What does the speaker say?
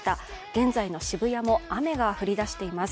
現在の渋谷も雨が降りだしています。